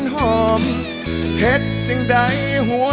ขอบคุณมาก